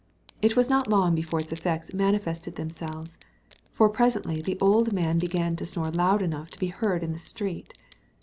It was not long before its effects manifested themselves; for presently the old man began to snore loud enough to be heard in the street.